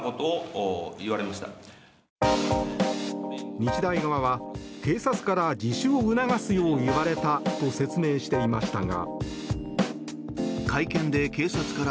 日大側は警察から自首を促すよう言われたと説明していましたが。